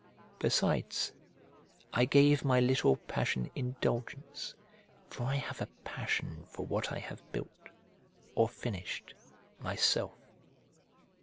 Besides, I gave my little passion indulgence, for I have a passion for what I have built, or finished, myself.